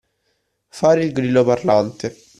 Fare il grillo parlante.